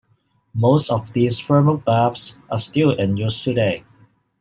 Most of these thermal baths are still in use today.